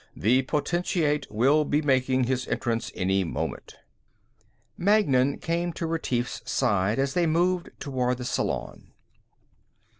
The Potentate will be making his entrance any moment." Magnan came to Retief's side as they moved toward the salon.